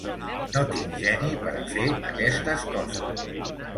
No tinc geni per a fer aquestes coses.